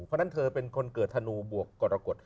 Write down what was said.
เพราะฉะนั้นเธอเป็นคนเกิดธนูบวกกรกฎ